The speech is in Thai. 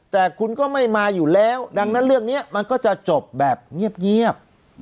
แต่คุณก็ไม่มาอยู่แล้วดังนั้นเรื่องนี้มันก็จะจบแบบเงียบ